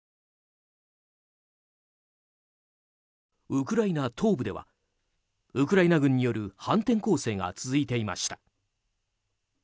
ウクライナ東部ではウクライナ軍による反転攻勢が続いていました。